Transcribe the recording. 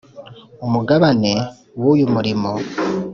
Umugabane w uyu murimo